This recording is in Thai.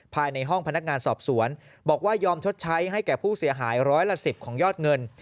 ภายในห้องพนักงานสอบสวนบอกว่ายอมชดใช้ให้แก่ผู้เสียหายร้อยละ๑๐ของยอดเงิน